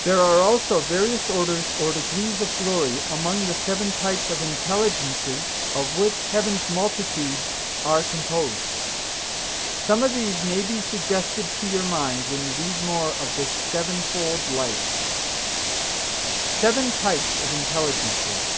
There are also various orders or degrees of glory among the seven types of intelligences of which Heaven's multitudes are composed. Some of these may be suggested to your mind when you read more of this sevenfold life. [Illustration: A Glimpse of Blissful Life in Heaven.] SEVEN TYPES OF INTELLIGENCES.